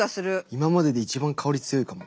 今までで一番香り強いかも。